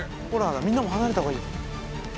みんなも離れた方がいいよ。